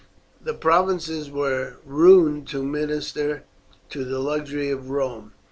The provinces were ruined to minister to the luxury of Rome.